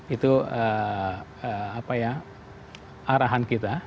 itu arahan kita